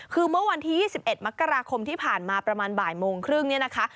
คือเมื่อวันที่๒๑มกราคมที่ผ่านมาประมาณบ่ายโมงครึ่งเนี่ยนะคะ